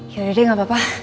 yaudah deh gak apa apa